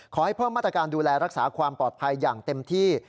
เพิ่มมาตรการดูแลรักษาความปลอดภัยอย่างเต็มที่